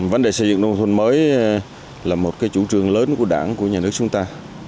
vấn đề xây dựng nông thuần mới là một chủ trường lớn của đảng của nhà nước chúng ta